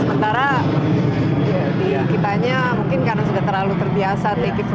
sementara di kitanya mungkin karena sudah terlalu terbiasa